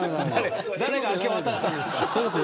誰が明け渡したんですか。